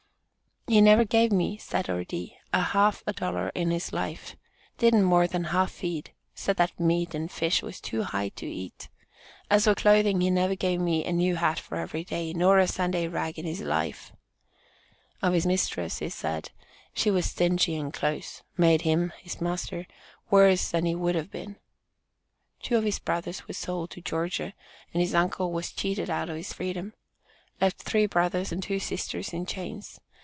"He never gave me," said Ordee, "a half a dollar in his life. Didn't more than half feed, said that meat and fish was too high to eat. As for clothing, he never gave me a new hat for every day, nor a Sunday rag in his life." Of his mistress, he said, "She was stingy and close, made him (his master) worse than what he would have been." Two of his brothers were sold to Georgia, and his uncle was cheated out of his freedom. Left three brothers and two sisters in chains.